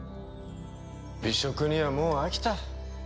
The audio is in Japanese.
美食にはもう飽きた。